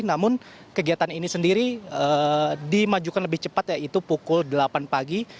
namun kegiatan ini sendiri dimajukan lebih cepat yaitu pukul delapan pagi